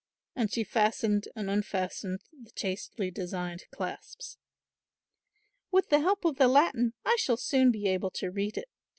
and she fastened and unfastened the chastely designed clasps. "With the help of the Latin I shall soon be able to read it.